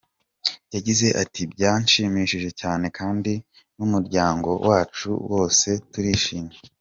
Yagize ati “Byanshimishije cyane kandi n’umuryango wacu wose turishimye.